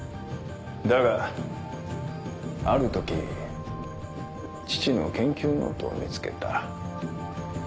だがある時父の研究ノートを見つけた。